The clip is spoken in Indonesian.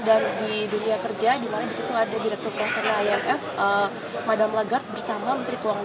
dan di dunia kerja dimana disitu ada direktur pasarnya imf madam lagarde bersama menteri keuangan